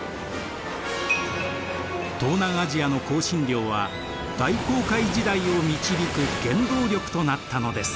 東南アジアの香辛料は大航海時代を導く原動力となったのです。